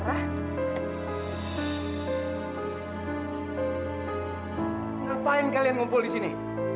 kenapa kalian berkumpul di sini